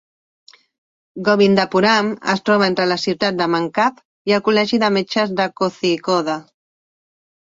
Govindapuram es troba entre la ciutat de Mankav i el col·legi de metges de Kozhikode.